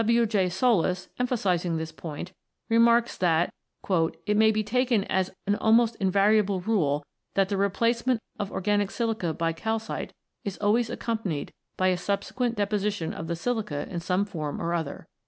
W. J. Sollas(22), emphasising this point, remarks that "it may be taken as an almost invariable rule that the replacement of organic silica by calcite is always accompanied by a subsequent deposition of the silica in some form or other."